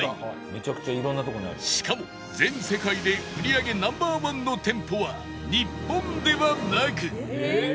しかも全世界で売り上げ Ｎｏ．１ の店舗は日本ではなく